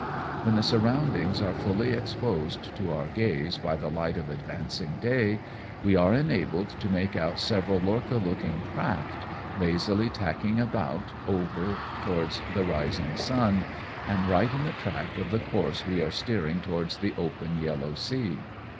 When the surroundings are fully exposed to our gaze by the light of advancing day, we are enabled to make out several lorcha looking craft, lazily tacking about over towards the rising sun, and right in the track of the course we are steering towards the open Yellow Sea.